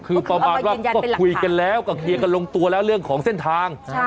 คือประมาณว่าก็คุยกันแล้วก็เคลียร์กันลงตัวแล้วเรื่องของเส้นทาง